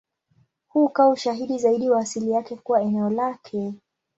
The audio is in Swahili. Huu ukawa ushahidi zaidi wa asili yake kuwa eneo lake.